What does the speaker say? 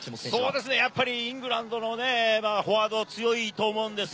やっぱりイングランドのね、フォワード強いと思うんですよ。